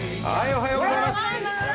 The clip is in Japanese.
おはようございます。